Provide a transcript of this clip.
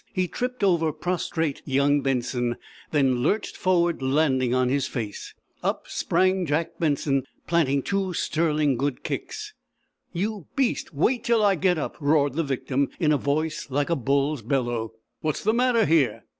He tripped over prostrate young Benson, then lurched forward landing on his face. Up sprang Jak Benson, planting two sterling good kicks. "You beast! Wait until I get up!" roared the victim, in a voice like a bull's bellow. "What's the matter here?"